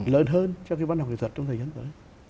lớn hơn cho cái văn học kỹ thuật trong thời gian tới